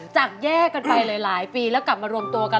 จากแยกกันไปหลายปีแล้วกลับมารวมตัวกัน